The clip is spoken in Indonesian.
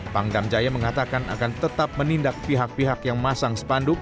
pangdam jaya mengatakan akan tetap menindak pihak pihak yang masang spanduk